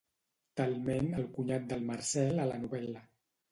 Talment el cunyat del Marcel a la novel·la.